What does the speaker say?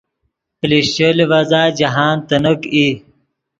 پلشچے لیڤزا جاہند تینیک ای